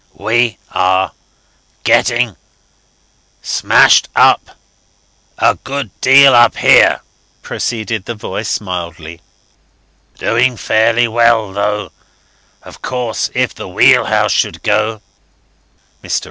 "We are getting smashed up a good deal up here," proceeded the voice mildly. "Doing fairly well though. Of course, if the wheelhouse should go. ..." Mr.